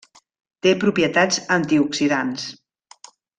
Té propietats antioxidants.